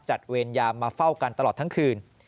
เวรยามมาเฝ้ากันตลอดทั้งคืน